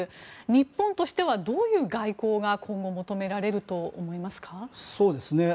日本としてはどういう外交が今後、求められると思いますか？